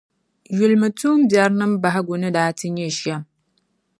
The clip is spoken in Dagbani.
Yulimi tuumbiɛrinima bahigu ni daa ti nyɛ shɛm.